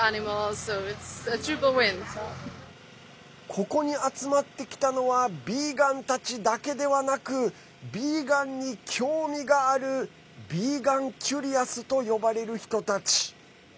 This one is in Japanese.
ここに集まってきたのはビーガンたちだけではなくビーガンに興味があるビーガンキュリアスと呼ばれる人たち。